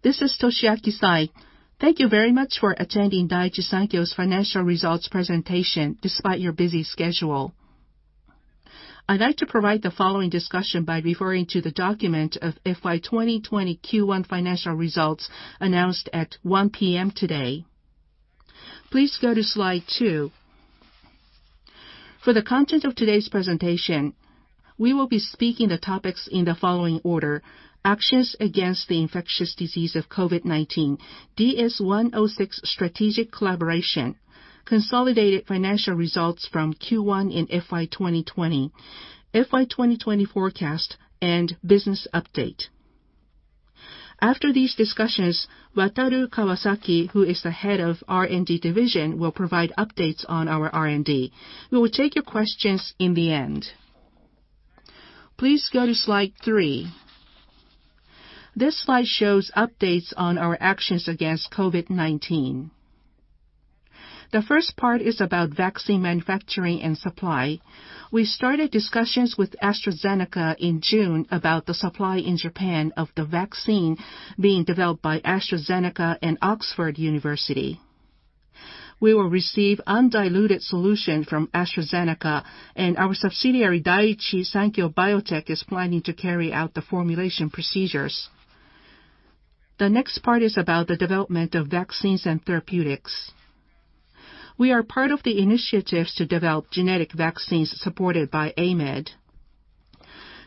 This is Toshiaki Sai. Thank you very much for attending Daiichi Sankyo's financial results presentation despite your busy schedule. I'd like to provide the following discussion by referring to the document of FY 2020 Q1 financial results announced at 1:00 P.M. today. Please go to slide two. For the content of today's presentation, we will be speaking the topics in the following order, actions against the infectious disease of COVID-19, DS-1062 strategic collaboration, consolidated financial results from Q1 in FY 2020, FY 2020 forecast, and business update. After these discussions, Wataru Takasaki, who is the head of R&D division, will provide updates on our R&D. We will take your questions in the end. Please go to slide three. This slide shows updates on our actions against COVID-19. The first part is about vaccine manufacturing and supply. We started discussions with AstraZeneca in June about the supply in Japan of the vaccine being developed by AstraZeneca and Oxford University. We will receive undiluted solution from AstraZeneca and our subsidiary, Daiichi Sankyo Biotech is planning to carry out the formulation procedures. The next part is about the development of vaccines and therapeutics. We are part of the initiatives to develop genetic vaccines supported by AMED.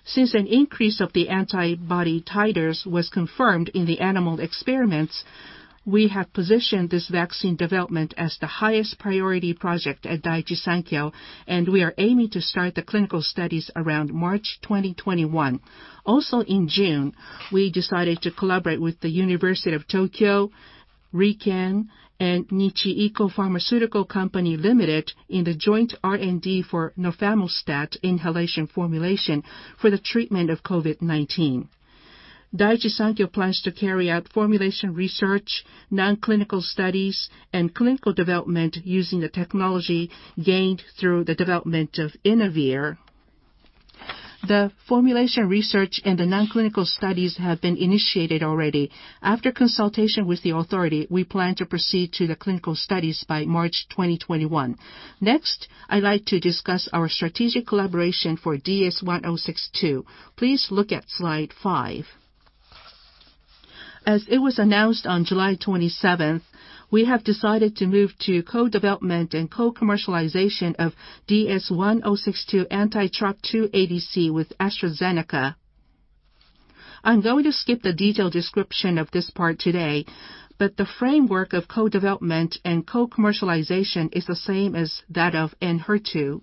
Since an increase of the antibody titers was confirmed in the animal experiments, we have positioned this vaccine development as the highest priority project at Daiichi Sankyo, and we are aiming to start the clinical studies around March 2021. Also in June, we decided to collaborate with The University of Tokyo, RIKEN, and Nichi-Iko Pharmaceutical Company Limited in the joint R&D for nafamostat inhalation formulation for the treatment of COVID-19. Daiichi Sankyo plans to carry out formulation research, non-clinical studies, and clinical development using the technology gained through the development of Inavir. The formulation research and the non-clinical studies have been initiated already. After consultation with the authority, we plan to proceed to the clinical studies by March 2021. Next, I'd like to discuss our strategic collaboration for DS-1062. Please look at slide five. As it was announced on July 27th, we have decided to move to co-development and co-commercialization of DS-1062 anti-TROP2 ADC with AstraZeneca. I'm going to skip the detailed description of this part today, the framework of co-development and co-commercialization is the same as that of ENHERTU.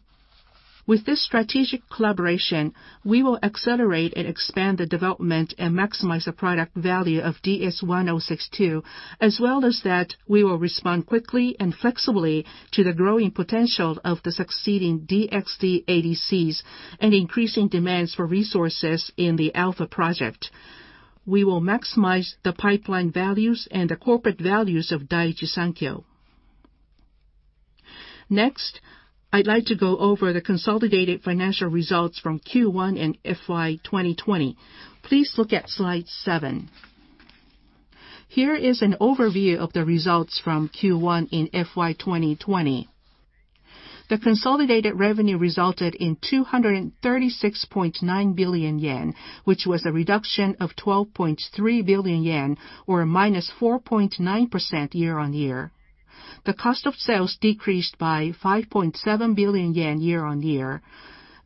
With this strategic collaboration, we will accelerate and expand the development and maximize the product value of DS-1062, as well as that we will respond quickly and flexibly to the growing potential of the succeeding DXd ADCs and increasing demands for resources in the Alpha project. We will maximize the pipeline values and the corporate values of Daiichi Sankyo. I'd like to go over the consolidated financial results from Q1 and FY 2020. Please look at slide seven. Here is an overview of the results from Q1 in FY 2020. The consolidated revenue resulted in 236.9 billion yen, which was a reduction of 12.3 billion yen, or a -4.9% year-on-year. The cost of sales decreased by 5.7 billion yen year-on-year.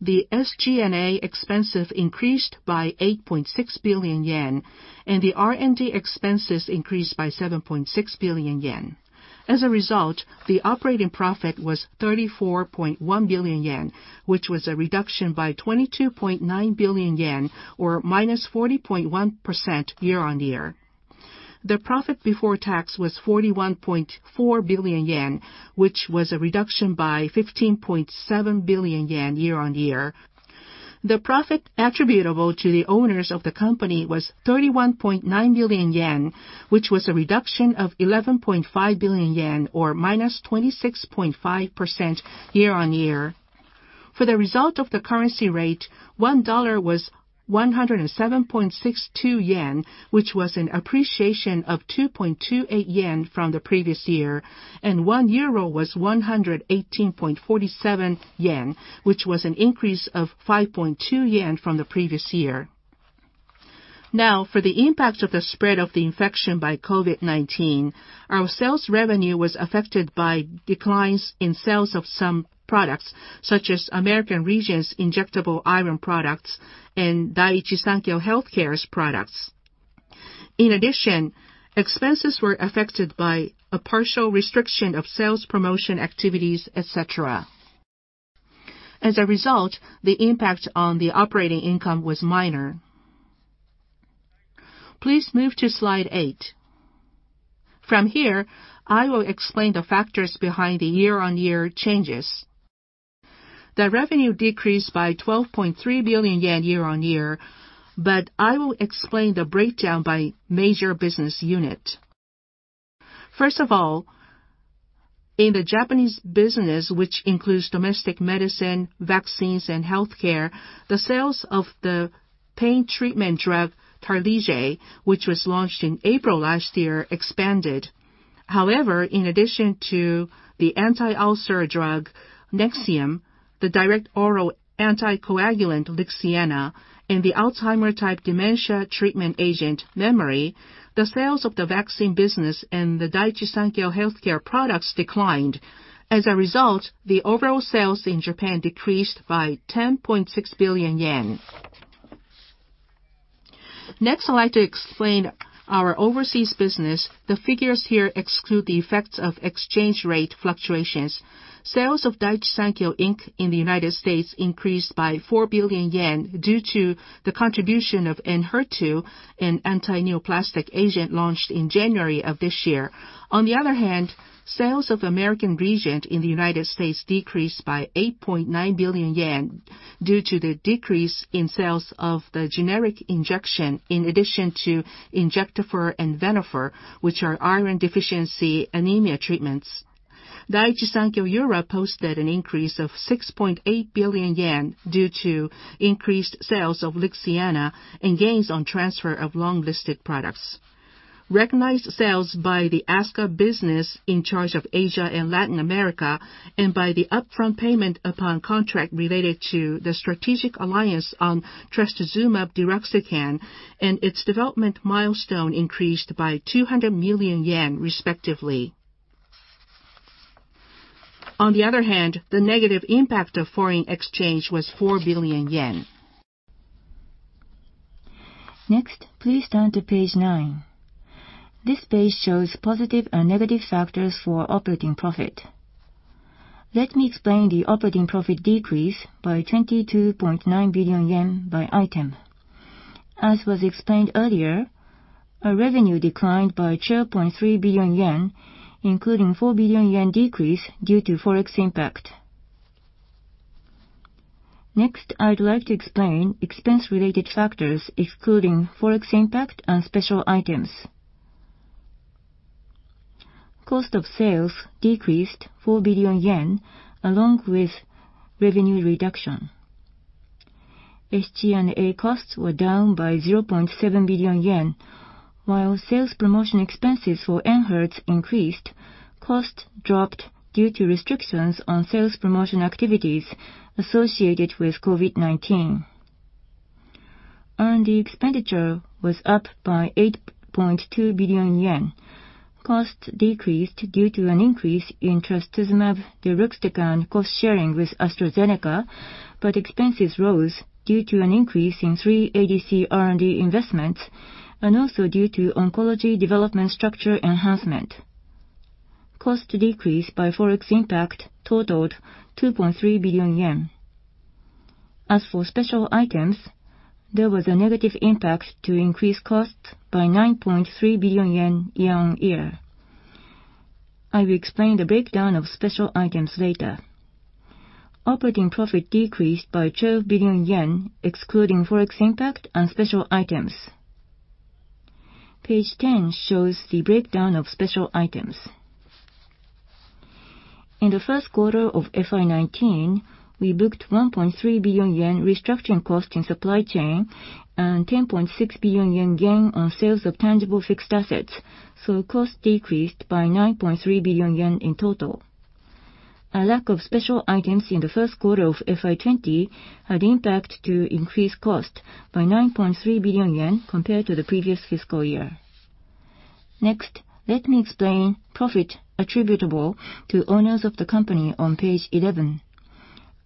The SG&A expense increased by 8.6 billion yen, and the R&D expenses increased by 7.6 billion yen. As a result, the operating profit was 34.1 billion yen, which was a reduction by 22.9 billion yen, or -40.1% year-on-year. The profit before tax was 41.4 billion yen, which was a reduction by 15.7 billion yen year-on-year. The profit attributable to the owners of the company was 31.9 billion yen, which was a reduction of 11.5 billion yen, or -26.5% year-on-year. For the result of the currency rate, $1 was 107.62 yen, which was an appreciation of 2.28 yen from the previous year, and 1 euro was 118.47 yen, which was an increase of 5.2 yen from the previous year. Now, for the impact of the spread of the infection by COVID-19, our sales revenue was affected by declines in sales of some products, such as American Regent's injectable iron products and Daiichi Sankyo Healthcare's products. In addition, expenses were affected by a partial restriction of sales promotion activities, et cetera. As a result, the impact on the operating income was minor. Please move to slide eight. From here, I will explain the factors behind the year-on-year changes. The revenue decreased by 12.3 billion yen year-on-year, I will explain the breakdown by major business unit. First of all, in the Japanese business, which includes domestic medicine, vaccines, and healthcare, the sales of the pain treatment drug, Tarlige, which was launched in April last year, expanded. However, in addition to the anti-ulcer drug, NEXIUM, the direct oral anticoagulant, LIXIANA, and the Alzheimer's type dementia treatment agent, Memary, the sales of the vaccine business and the Daiichi Sankyo Healthcare products declined. As a result, the overall sales in Japan decreased by 10.6 billion yen. Next, I'd like to explain our overseas business. The figures here exclude the effects of exchange rate fluctuations. Sales of Daiichi Sankyo, Inc. in the United States increased by 4 billion yen due to the contribution of ENHERTU, an antineoplastic agent launched in January of this year. Sales of American Regent in the United States decreased by 8.9 billion yen due to the decrease in sales of the generic injection in addition to Injectafer and Venofer, which are iron deficiency anemia treatments. Daiichi Sankyo Europe posted an increase of 6.8 billion yen due to increased sales of LIXIANA and gains on transfer of long-listed products. Recognized sales by the ASCA business in charge of Asia and Latin America and by the upfront payment upon contract related to the strategic alliance on trastuzumab deruxtecan and its development milestone increased by 200 million yen, respectively. The negative impact of foreign exchange was 4 billion yen. Next, please turn to page nine. This page shows positive and negative factors for operating profit. Let me explain the operating profit decrease by 22.9 billion yen by item. As was explained earlier, our revenue declined by 12.3 billion yen, including a 4 billion yen decrease due to Forex impact. Next, I'd like to explain expense-related factors excluding Forex impact and special items. Cost of sales decreased 4 billion yen along with revenue reduction. SG&A costs were down by 0.7 billion yen. While sales promotion expenses for ENHERTU increased, costs dropped due to restrictions on sales promotion activities associated with COVID-19. R&D expenditure was up by 8.2 billion yen. Costs decreased due to an increase in trastuzumab deruxtecan cost-sharing with AstraZeneca, but expenses rose due to an increase in 3 ADC R&D investments and also due to oncology development structure enhancement. Cost decrease by Forex impact totaled 2.3 billion yen. As for special items, there was a negative impact to increase costs by 9.3 billion yen year-on-year. I will explain the breakdown of special items later. Operating profit decreased by 12 billion yen excluding Forex impact and special items. Page 10 shows the breakdown of special items. In the first quarter of FY 2019, we booked 1.3 billion yen restructuring cost in supply chain and 10.6 billion yen gain on sales of tangible fixed assets. Costs decreased by 9.3 billion yen in total. A lack of special items in the first quarter of FY 2020 had impact to increase cost by 9.3 billion yen compared to the previous fiscal year. Let me explain profit attributable to owners of the company on page 11.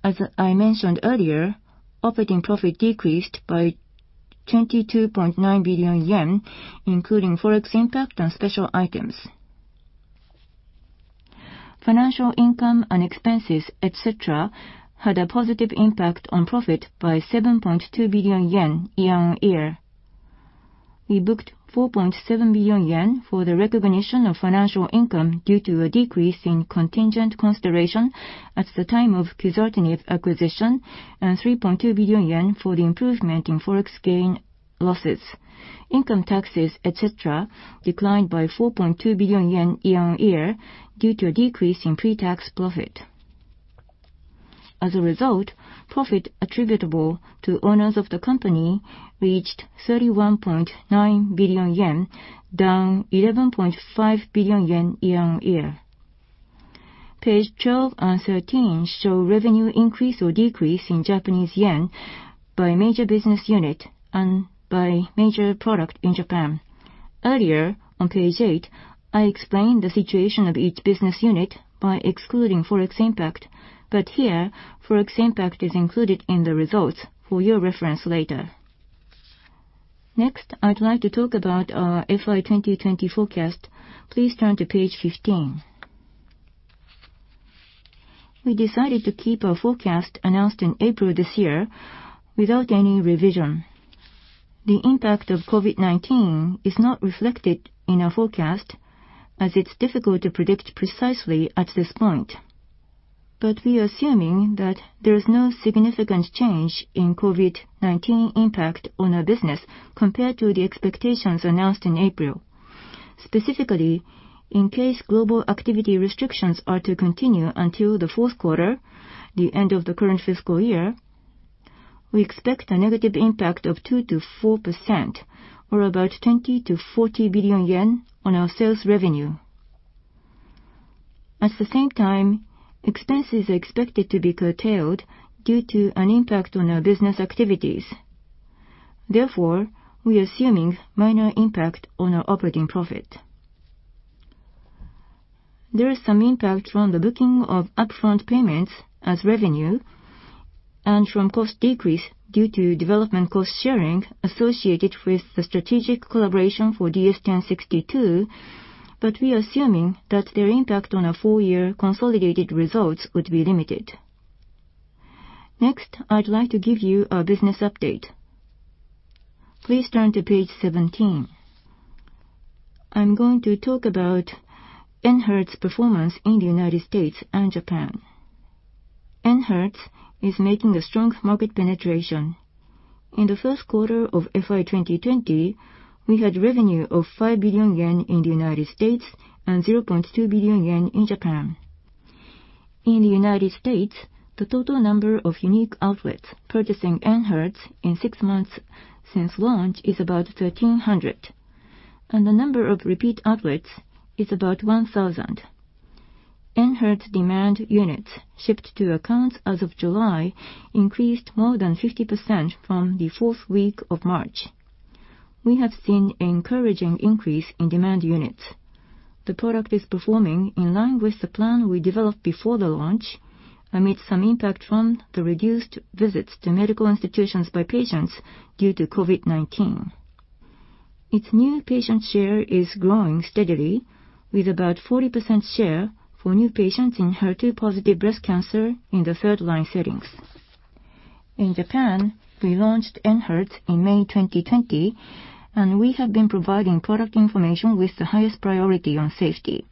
As I mentioned earlier, operating profit decreased by 22.9 billion yen, including Forex impact and special items. Financial income and expenses, et cetera, had a positive impact on profit by 7.2 billion yen year-on-year. We booked 4.7 billion yen for the recognition of financial income due to a decrease in contingent consideration at the time of quizartinib acquisition and 3.2 billion yen for the improvement in Forex gain losses. Income taxes, et cetera, declined by 4.2 billion yen year-on-year due to a decrease in pre-tax profit. As a result, profit attributable to owners of the company reached 31.9 billion yen, down 11.5 billion yen year-on-year. Page 12 and 13 show revenue increase or decrease in Japanese yen by major business unit and by major product in Japan. Earlier on page eight, I explained the situation of each business unit by excluding Forex impact, but here, Forex impact is included in the results for your reference later. Next, I'd like to talk about our FY 2020 forecast. Please turn to page 15. We decided to keep our forecast announced in April this year without any revision. The impact of COVID-19 is not reflected in our forecast, as it's difficult to predict precisely at this point. We are assuming that there's no significant change in COVID-19 impact on our business compared to the expectations announced in April. Specifically, in case global activity restrictions are to continue until the fourth quarter, the end of the current fiscal year, we expect a negative impact of 2%-4%, or about 20 billion-40 billion yen, on our sales revenue. At the same time, expenses are expected to be curtailed due to an impact on our business activities. Therefore, we are assuming minor impact on our operating profit. There is some impact from the booking of upfront payments as revenue and from cost decrease due to development cost sharing associated with the strategic collaboration for DS-1062, but we are assuming that their impact on our full-year consolidated results would be limited. Next, I'd like to give you a business update. Please turn to page 17. I'm going to talk about ENHERTU's performance in the United States and Japan. ENHERTU is making a strong market penetration. In the first quarter of FY 2020, we had revenue of 5 billion yen in the United States and 0.2 billion yen in Japan. In the United States, the total number of unique outlets purchasing ENHERTU in six months since launch is about 1,300, and the number of repeat outlets is about 1,000. ENHERTU demand units shipped to accounts as of July increased more than 50% from the fourth week of March. We have seen encouraging increase in demand units. The product is performing in line with the plan we developed before the launch, amid some impact from the reduced visits to medical institutions by patients due to COVID-19. Its new patient share is growing steadily, with about 40% share for new patients in HER2-positive breast cancer in the third-line settings. In Japan, we launched ENHERTU in May 2020, we have been providing product information with the highest priority on safety.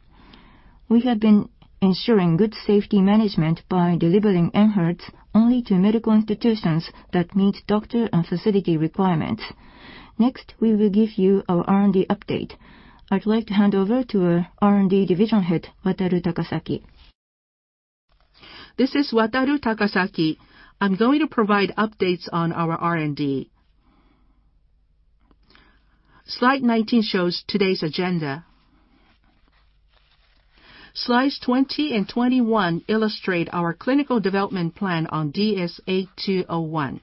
We have been ensuring good safety management by delivering ENHERTU only to medical institutions that meet doctor and facility requirements. Next, we will give you our R&D update. I'd like to hand over to our R&D Division Head, Wataru Takasaki. This is Wataru Takasaki. I'm going to provide updates on our R&D. Slide 19 shows today's agenda. Slides 20 and 21 illustrate our clinical development plan on DS-8201.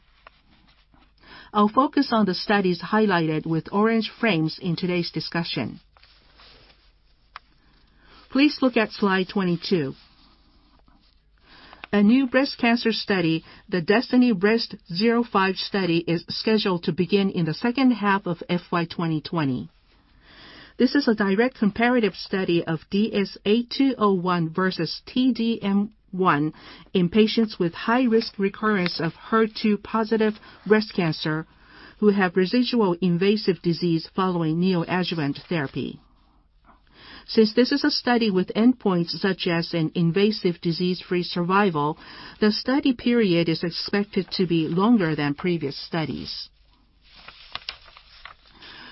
I'll focus on the studies highlighted with orange frames in today's discussion. Please look at slide 22. A new breast cancer study, the DESTINY-Breast05 study, is scheduled to begin in the second half of FY 2020. This is a direct comparative study of DS-8201 versus T-DM1 in patients with high risk recurrence of HER2-positive breast cancer who have residual invasive disease following neoadjuvant therapy. Since this is a study with endpoints such as an invasive disease-free survival, the study period is expected to be longer than previous studies.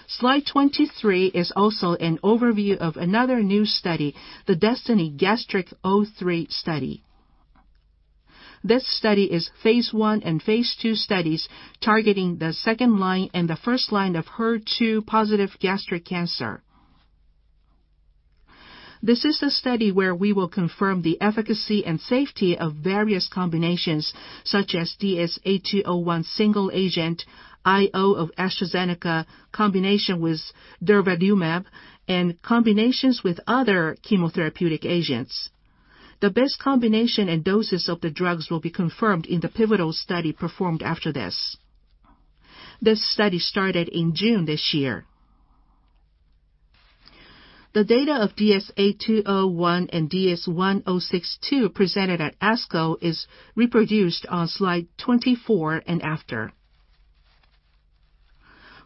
Slide 23 is also an overview of another new study, the DESTINY-Gastric03 study. This study is phase I and phase II studies targeting the second line and the first line of HER2-positive gastric cancer. This is a study where we will confirm the efficacy and safety of various combinations, such as DS-8201 single agent, IO of AstraZeneca in combination with durvalumab, and combinations with other chemotherapeutic agents. The best combination and doses of the drugs will be confirmed in the pivotal study performed after this. This study started in June this year. The data of DS-8201 and DS-1062 presented at ASCO is reproduced on slide 24 and after.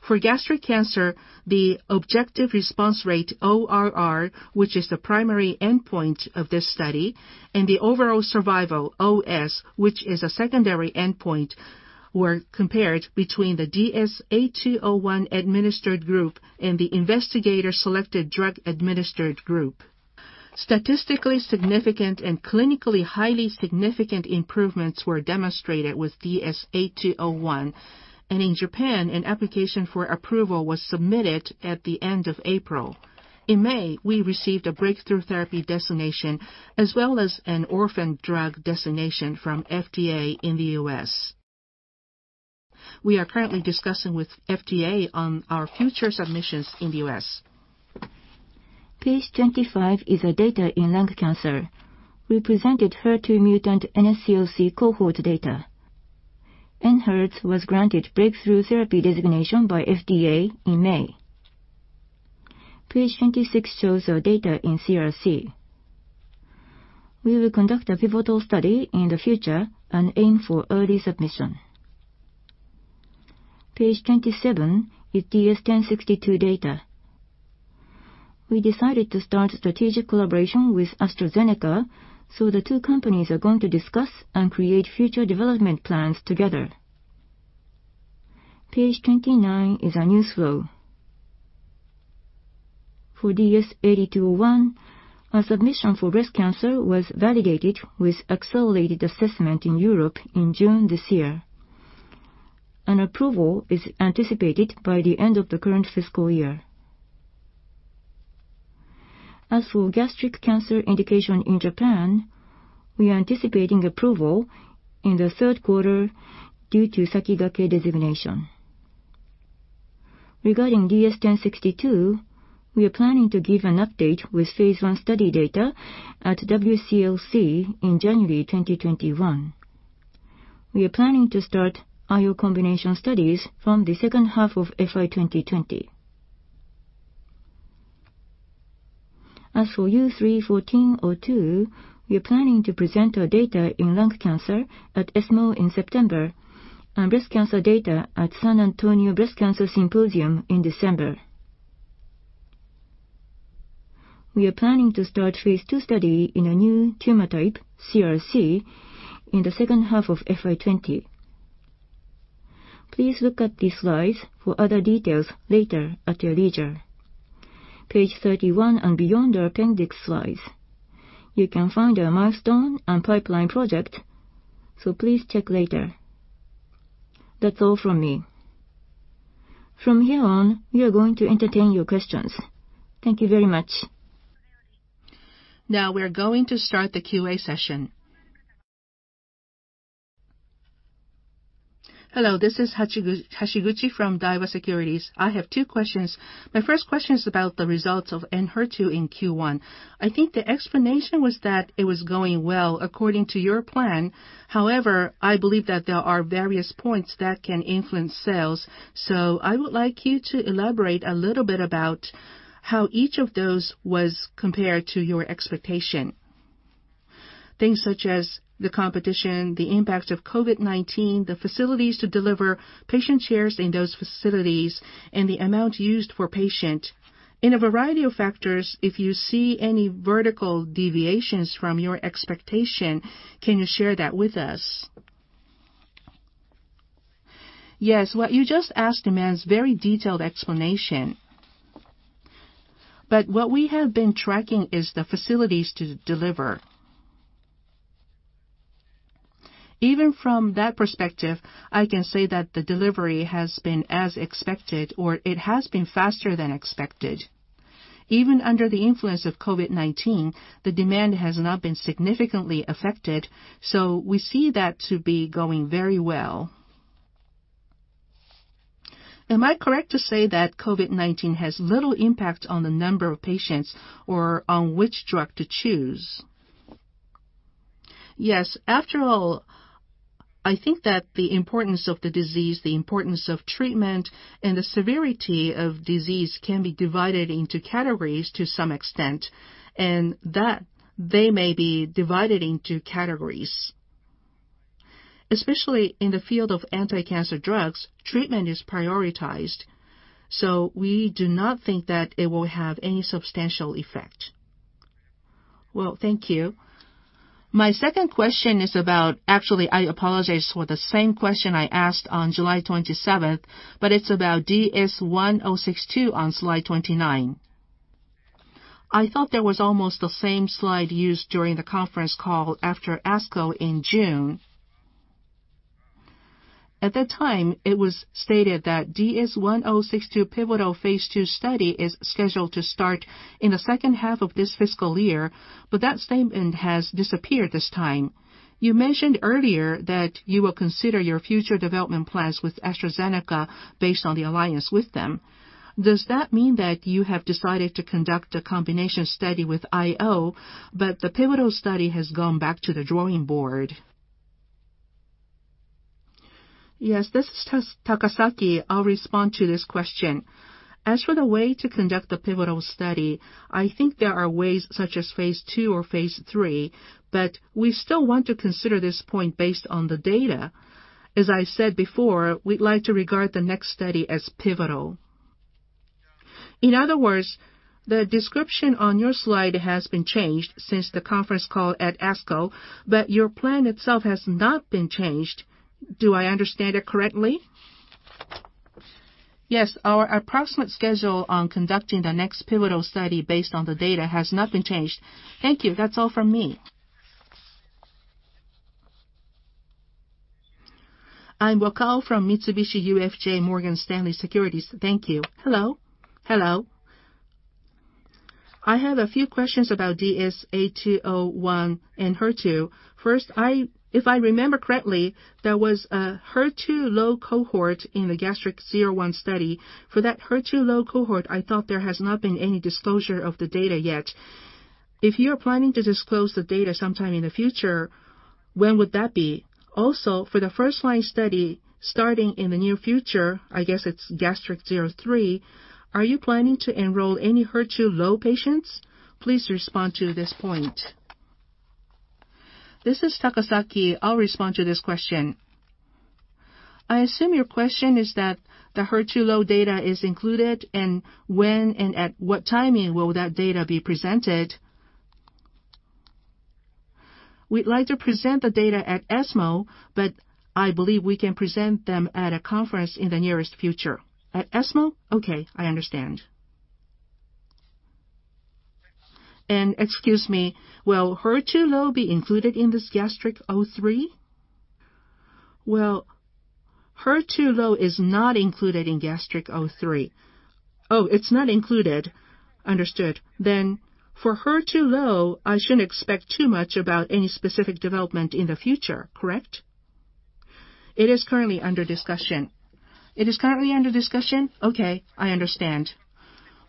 For gastric cancer, the objective response rate, ORR, which is the primary endpoint of this study, and the overall survival, OS, which is a secondary endpoint, were compared between the DS-8201 administered group and the investigator-selected drug administered group. Statistically significant and clinically highly significant improvements were demonstrated with DS-8201, and in Japan, an application for approval was submitted at the end of April. In May, we received a breakthrough therapy designation as well as an orphan drug designation from FDA in the U.S. We are currently discussing with FDA on our future submissions in the U.S. Page 25 is data in lung cancer. We presented HER2-mutant NSCLC cohort data. ENHERTU was granted breakthrough therapy designation by FDA in May. Page 26 shows our data in CRC. We will conduct a pivotal study in the future and aim for early submission. Page 27 is DS-1062 data. We decided to start strategic collaboration with AstraZeneca. The two companies are going to discuss and create future development plans together. Page 29 is our news flow. For DS-8201, a submission for breast cancer was validated with accelerated assessment in Europe in June this year. An approval is anticipated by the end of the current fiscal year. As for gastric cancer indication in Japan, we are anticipating approval in the third quarter due to Sakigake designation. Regarding DS-1062, we are planning to give an update with phase I study data at WCLC in January 2021. We are planning to start IO combination studies from the second half of FY 2020. As for U3-1402, we are planning to present our data in lung cancer at ESMO in September, and breast cancer data at San Antonio Breast Cancer Symposium in December. We are planning to start phase II study in a new tumor type, CRC, in the second half of FY 2020. Please look at these slides for other details later at your leisure. Page 31 and beyond are appendix slides. You can find our milestone and pipeline project. Please check later. That's all from me. From here on, we are going to entertain your questions. Thank you very much. Now we are going to start the QA session. Hello, this is Hashiguchi from Daiwa Securities. I have two questions. My first question is about the results of ENHERTU in Q1. I think the explanation was that it was going well according to your plan. However, I believe that there are various points that can influence sales, so I would like you to elaborate a little bit about how each of those was compared to your expectation. Things such as the competition, the impact of COVID-19, the facilities to deliver patient shares in those facilities, and the amount used for patient. In a variety of factors, if you see any vertical deviations from your expectation, can you share that with us? Yes. What you just asked demands very detailed explanation. What we have been tracking is the facilities to deliver. Even from that perspective, I can say that the delivery has been as expected, or it has been faster than expected. Even under the influence of COVID-19, the demand has not been significantly affected, we see that to be going very well. Am I correct to say that COVID-19 has little impact on the number of patients or on which drug to choose? Yes. After all, I think that the importance of the disease, the importance of treatment, and the severity of disease can be divided into categories to some extent, and that they may be divided into categories. Especially in the field of anti-cancer drugs, treatment is prioritized, so we do not think that it will have any substantial effect. Well, thank you. Actually, I apologize for the same question I asked on July 27th, but it's about DS-1062 on slide 29. I thought there was almost the same slide used during the conference call after ASCO in June. At that time, it was stated that DS-1062 pivotal phase II study is scheduled to start in the second half of this fiscal year, but that statement has disappeared this time. You mentioned earlier that you will consider your future development plans with AstraZeneca based on the alliance with them. Does that mean that you have decided to conduct a combination study with IO, but the pivotal study has gone back to the drawing board? Yes, this is Takasaki. I'll respond to this question. As for the way to conduct the pivotal study, I think there are ways such as phase II or phase III, but we still want to consider this point based on the data. As I said before, we'd like to regard the next study as pivotal. In other words, the description on your slide has been changed since the conference call at ASCO, but your plan itself has not been changed. Do I understand it correctly? Yes. Our approximate schedule on conducting the next pivotal study based on the data has not been changed. Thank you. That's all from me. I'm Wakao from Mitsubishi UFJ Morgan Stanley Securities. Thank you. Hello. Hello. I have a few questions about DS-8201 ENHERTU. First, if I remember correctly, there was a HER2-low cohort in the Gastric01 study. For that HER2-low cohort, I thought there has not been any disclosure of the data yet. If you are planning to disclose the data sometime in the future, when would that be? For the first-line study starting in the near future, I guess it's Gastric03, are you planning to enroll any HER2-low patients? Please respond to this point. This is Takasaki. I'll respond to this question. I assume your question is that the HER2-low data is included, and when and at what timing will that data be presented. We'd like to present the data at ESMO, but I believe we can present them at a conference in the nearest future. At ESMO? Okay, I understand. Excuse me, will HER2-low be included in this Gastric03? Well, HER2-low is not included in DESTINY-Gastric03. Oh, it's not included. Understood. For HER2-low, I shouldn't expect too much about any specific development in the future, correct? It is currently under discussion. It is currently under discussion? Okay, I understand.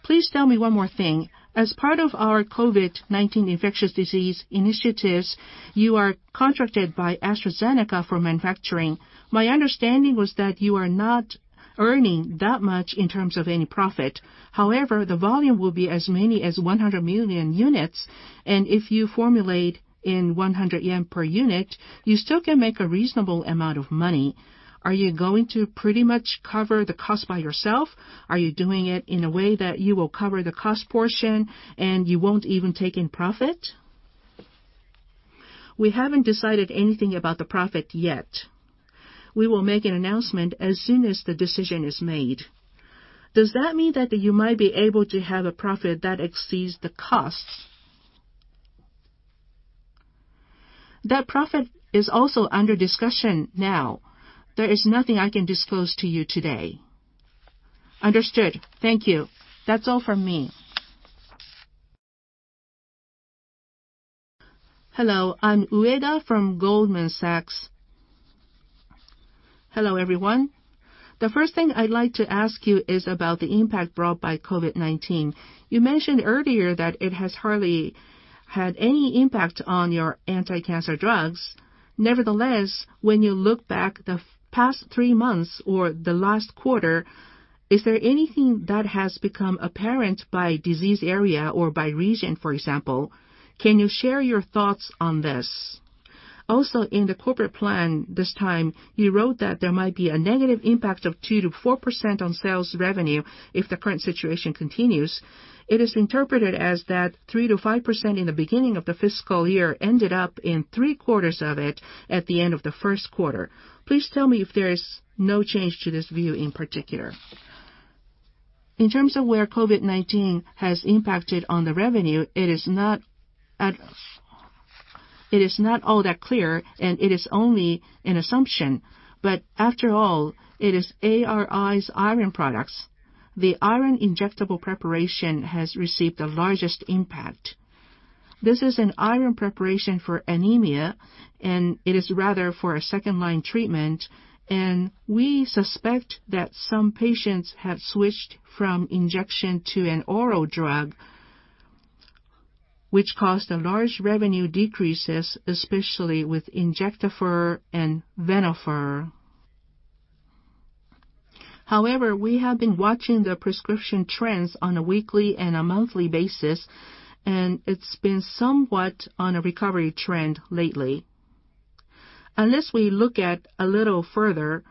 Please tell me one more thing. As part of our COVID-19 infectious disease initiatives, you are contracted by AstraZeneca for manufacturing. My understanding was that you are not earning that much in terms of any profit. However, the volume will be as many as 100 million units, and if you formulate in 100 yen per unit, you still can make a reasonable amount of money. Are you going to pretty much cover the cost by yourself? Are you doing it in a way that you will cover the cost portion and you won't even take in profit? We haven't decided anything about the profit yet. We will make an announcement as soon as the decision is made. Does that mean that you might be able to have a profit that exceeds the costs? That profit is also under discussion now. There is nothing I can disclose to you today. Understood. Thank you. That's all from me. Hello, I'm Ueda from Goldman Sachs. Hello, everyone. The first thing I'd like to ask you is about the impact brought by COVID-19. You mentioned earlier that it has hardly had any impact on your anti-cancer drugs. Nevertheless, when you look back the past three months or the last quarter, is there anything that has become apparent by disease area or by region, for example? Can you share your thoughts on this? In the corporate plan this time, you wrote that there might be a negative impact of 2%-4% on sales revenue if the current situation continues. It is interpreted as that 3%-5% in the beginning of the fiscal year ended up in three-quarters of it at the end of the first quarter. Please tell me if there is no change to this view in particular. In terms of where COVID-19 has impacted on the revenue, it is not all that clear and it is only an assumption, but after all, it is ARI's iron products. The iron injectable preparation has received the largest impact. This is an iron preparation for anemia, and it is rather for a second-line treatment, and we suspect that some patients have switched from injection to an oral drug, which caused large revenue decreases, especially with Injectafer and Venofer. However, we have been watching the prescription trends on a weekly and a monthly basis, and it's been somewhat on a recovery trend lately. Unless we look a little further,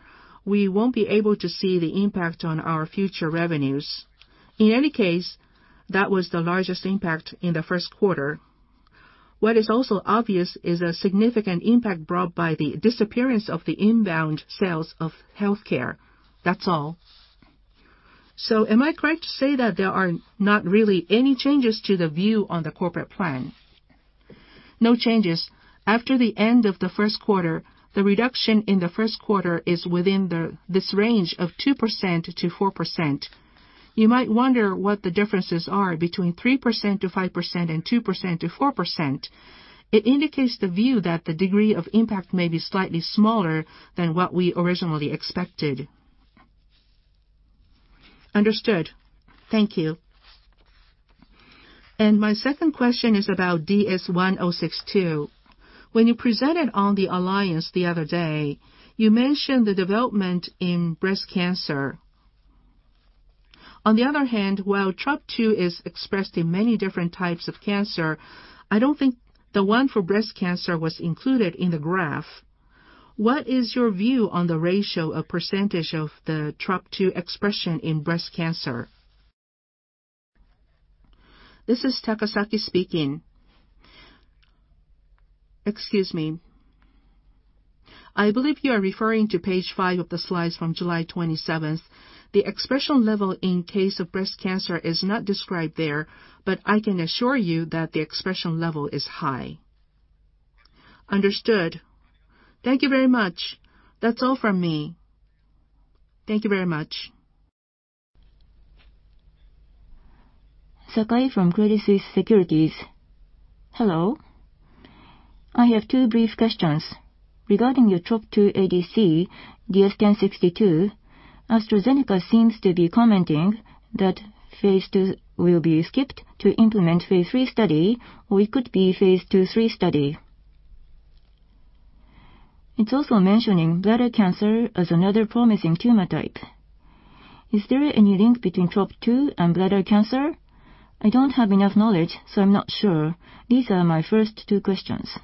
we won't be able to see the impact on our future revenues. In any case, that was the largest impact in the first quarter. What is also obvious is a significant impact brought by the disappearance of the inbound sales of healthcare. That's all. Am I correct to say that there are not really any changes to the view on the corporate plan? No changes. After the end of the first quarter, the reduction in the first quarter is within this range of 2%-4%. You might wonder what the differences are between 3%-5% and 2%-4%. It indicates the view that the degree of impact may be slightly smaller than what we originally expected. Understood. Thank you. My second question is about DS-1062. When you presented on the alliance the other day, you mentioned the development in breast cancer. While TROP2 is expressed in many different types of cancer, I don't think the one for breast cancer was included in the graph. What is your view on the ratio of percentage of the TROP2 expression in breast cancer? This is Takasaki speaking. Excuse me. I believe you are referring to page five of the slides from July 27th. The expression level in case of breast cancer is not described there, I can assure you that the expression level is high. Understood. Thank you very much. That's all from me. Thank you very much. Sakai from Credit Suisse Securities. Hello. I have two brief questions. Regarding your TROP2 ADC, DS-1062, AstraZeneca seems to be commenting that phase II will be skipped to implement phase III study or it could be phase II/III study. It's also mentioning bladder cancer as another promising tumor type. Is there any link between TROP2 and bladder cancer? I don't have enough knowledge, so I'm not sure. These are my first two questions.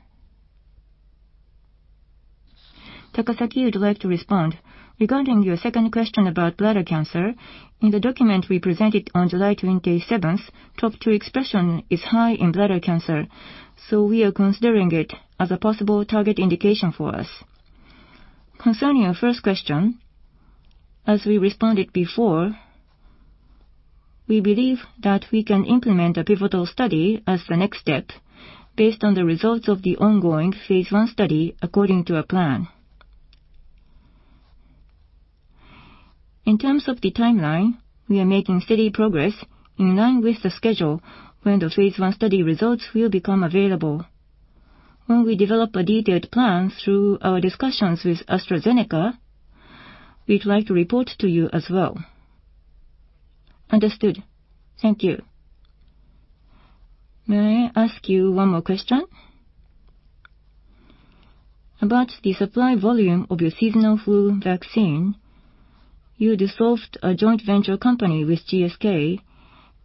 Takasaki would like to respond. Regarding your second question about bladder cancer, in the document we presented on July 27th, TROP2 expression is high in bladder cancer, so we are considering it as a possible target indication for us. Concerning your first question, as we responded before, we believe that we can implement a pivotal study as the next step based on the results of the ongoing phase I study according to a plan. In terms of the timeline, we are making steady progress in line with the schedule when the phase I study results will become available. When we develop a detailed plan through our discussions with AstraZeneca, we'd like to report to you as well. Understood. Thank you. May I ask you one more question? About the supply volume of your seasonal flu vaccine, you dissolved a joint venture company with GSK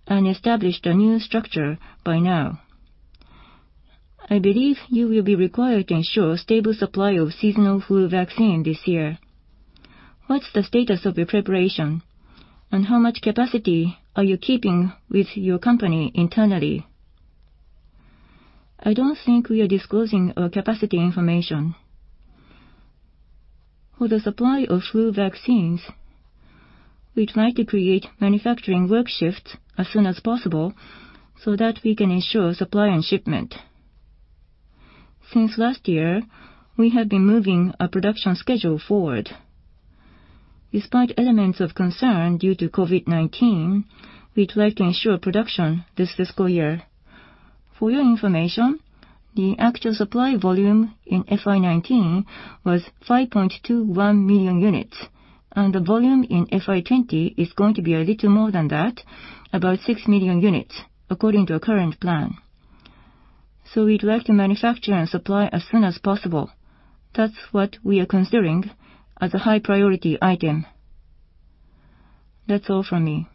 and established a new structure by now. I believe you will be required to ensure stable supply of seasonal flu vaccine this year. What's the status of your preparation, and how much capacity are you keeping with your company internally? I don't think we are disclosing our capacity information. For the supply of flu vaccines, we'd like to create manufacturing work shifts as soon as possible so that we can ensure supply and shipment. Since last year, we have been moving our production schedule forward. Despite elements of concern due to COVID-19, we'd like to ensure production this fiscal year. For your information, the actual supply volume in FY 2019 was 5.21 million units, and the volume in FY 2020 is going to be a little more than that, about 6 million units, according to our current plan. We'd like to manufacture and supply as soon as possible. That's what we are considering as a high priority item. That's all from me.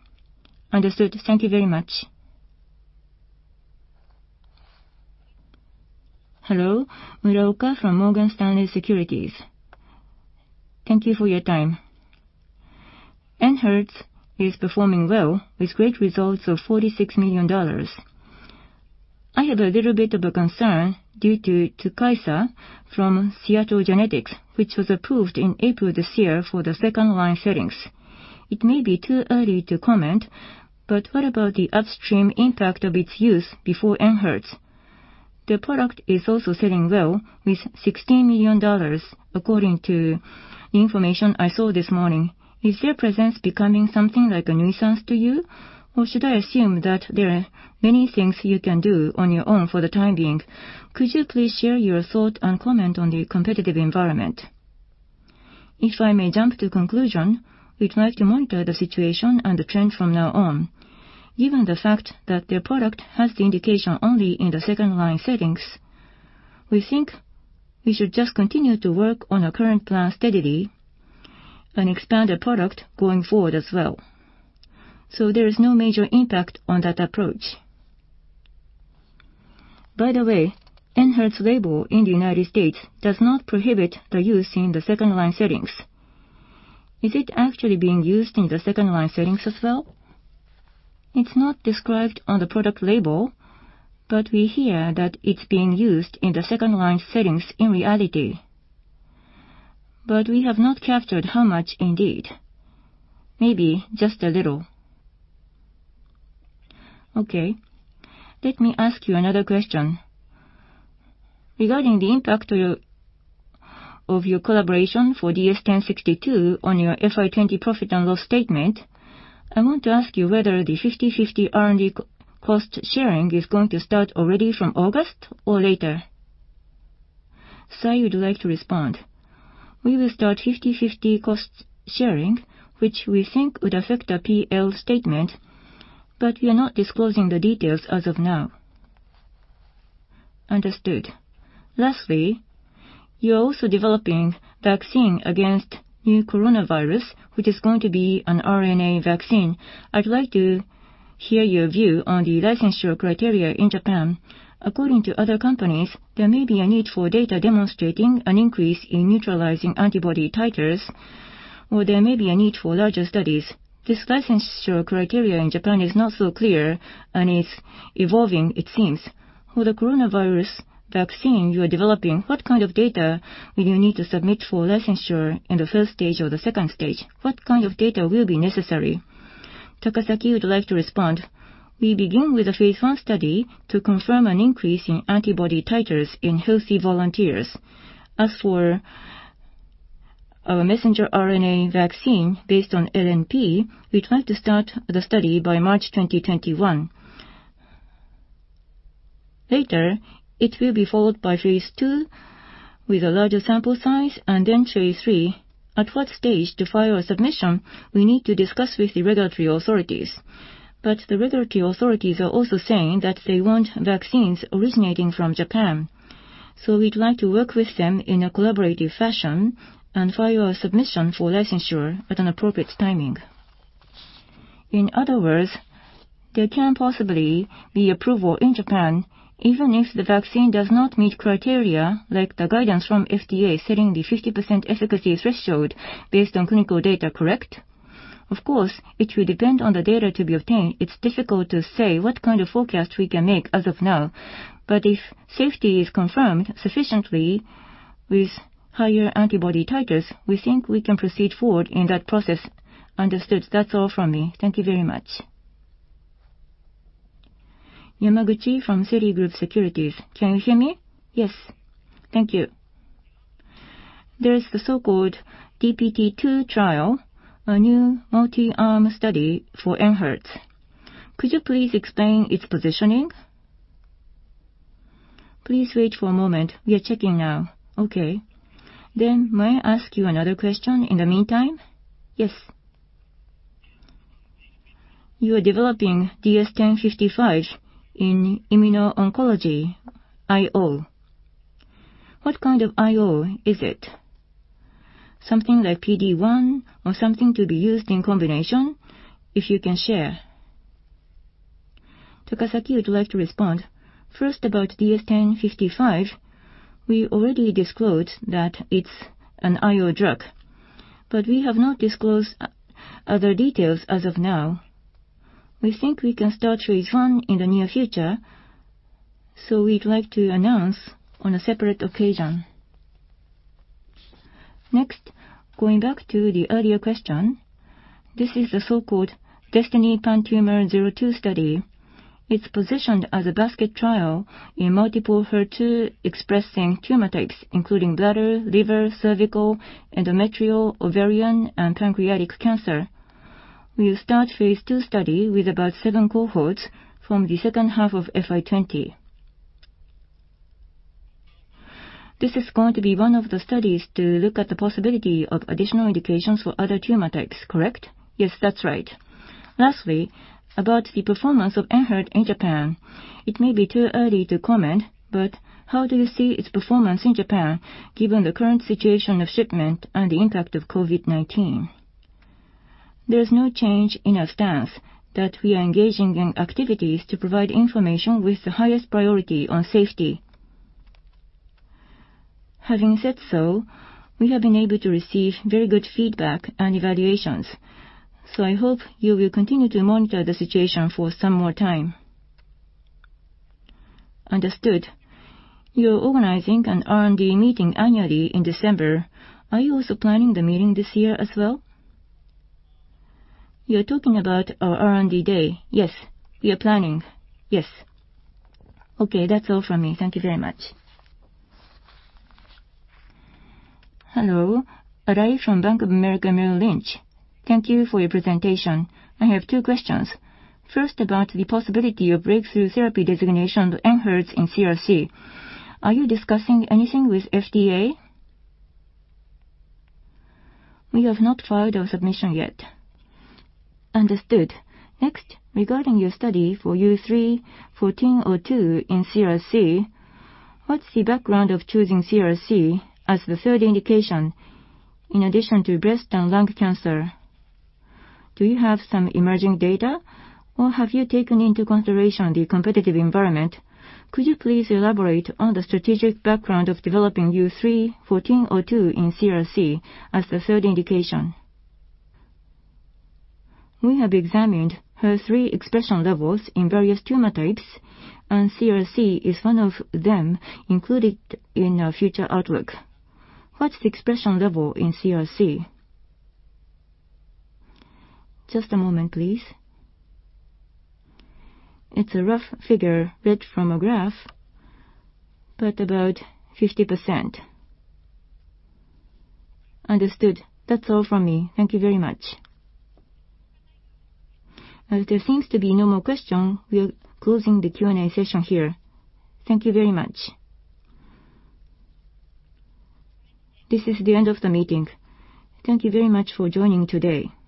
Understood. Thank you very much. Hello. Muraoka from Morgan Stanley Securities. Thank you for your time. ENHERTU is performing well with great results of $46 million. I have a little bit of a concern due to Tukysa from Seattle Genetics, which was approved in April this year for the second-line settings. It may be too early to comment, but what about the upstream impact of its use before ENHERTU? The product is also selling well with $16 million, according to the information I saw this morning. Is their presence becoming something like a nuisance to you, or should I assume that there are many things you can do on your own for the time being? Could you please share your thought and comment on the competitive environment? If I may jump to conclusion, we'd like to monitor the situation and the trend from now on. Given the fact that their product has the indication only in the second-line settings, we think we should just continue to work on our current plan steadily and expand the product going forward as well. There is no major impact on that approach. ENHERTU's label in the United States does not prohibit the use in the second-line settings. Is it actually being used in the second-line settings as well? It's not described on the product label, we hear that it's being used in the second-line settings in reality. We have not captured how much indeed. Maybe just a little. Okay. Let me ask you another question. Regarding the impact of your collaboration for DS-1062 on your FY 2020 profit and loss statement, I want to ask you whether the 50/50 R&D cost sharing is going to start already from August or later? Sai would like to respond. We will start 50/50 cost sharing, which we think would affect our P&L statement, we are not disclosing the details as of now. Understood. You're also developing vaccine against Coronavirus, which is going to be an RNA vaccine. I'd like to hear your view on the licensure criteria in Japan. According to other companies, there may be a need for data demonstrating an increase in neutralizing antibody titers, or there may be a need for larger studies. This licensure criteria in Japan is not so clear and is evolving, it seems. For the coronavirus vaccine you are developing, what kind of data will you need to submit for licensure in the stage 1 or the stage 2? What kind of data will be necessary? Takasaki would like to respond. We begin with a phase I study to confirm an increase in antibody titers in healthy volunteers. As for our messenger RNA vaccine based on LNP, we'd like to start the study by March 2021. Later, it will be followed by phase II with a larger sample size and then phase III. At what stage to file a submission, we need to discuss with the regulatory authorities. The regulatory authorities are also saying that they want vaccines originating from Japan. We'd like to work with them in a collaborative fashion and file a submission for licensure at an appropriate timing. In other words, there can possibly be approval in Japan even if the vaccine does not meet criteria like the guidance from FDA, setting the 50% efficacy threshold based on clinical data, correct? Of course, it will depend on the data to be obtained. It's difficult to say what kind of forecast we can make as of now. If safety is confirmed sufficiently with higher antibody titers, we think we can proceed forward in that process. Understood. That's all from me. Thank you very much. Yamaguchi from Citigroup Securities. Can you hear me? Yes. Thank you. There is the so-called DPT-02 trial, a new multi-arm study for ENHERTU. Could you please explain its positioning? Please wait for a moment. We are checking now. Okay. May I ask you another question in the meantime? Yes. You are developing DS-1055 in immuno-oncology, IO. What kind of IO is it? Something like PD-1 or something to be used in combination? If you can share. Takasaki, would you like to respond? First, about DS-1055. We already disclosed that it's an IO drug, but we have not disclosed other details as of now. We think we can start phase I in the near future. We'd like to announce on a separate occasion. Next, going back to the earlier question. This is the so-called DESTINY-PanTumor02 study. It's positioned as a basket trial in multiple HER2-expressing tumor types, including bladder, liver, cervical, endometrial, ovarian, and pancreatic cancer. We'll start phase II study with about seven cohorts from the second half of FY 2020. This is going to be one of the studies to look at the possibility of additional indications for other tumor types, correct? Yes. That's right. About the performance of ENHERTU in Japan. It may be too early to comment, but how do you see its performance in Japan given the current situation of shipment and the impact of COVID-19? There's no change in our stance that we are engaging in activities to provide information with the highest priority on safety. Having said so, we have been able to receive very good feedback and evaluations. I hope you will continue to monitor the situation for some more time. Understood. You're organizing an R&D meeting annually in December. Are you also planning the meeting this year as well? You're talking about our R&D day. Yes. We are planning. Yes. Okay. That's all from me. Thank you very much. Hello. Arai from Bank of America Merrill Lynch. Thank you for your presentation. I have two questions. First, about the possibility of breakthrough therapy designation ENHERTU in CRC. Are you discussing anything with FDA? We have not filed our submission yet. Understood. Next, regarding your study for U3-1402 in CRC, what's the background of choosing CRC as the third indication in addition to breast and lung cancer? Do you have some emerging data, or have you taken into consideration the competitive environment? Could you please elaborate on the strategic background of developing U3-1402 in CRC as the third indication? We have examined HER3 expression levels in various tumor types, and CRC is one of them included in our future outlook. What's the expression level in CRC? Just a moment, please. It's a rough figure read from a graph, but about 50%. Understood. That's all from me. Thank you very much. As there seems to be no more question, we are closing the Q&A session here. Thank you very much. This is the end of the meeting. Thank you very much for joining today.